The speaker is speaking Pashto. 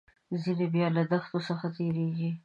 ځینې بیا له دښتو څخه تیریږي.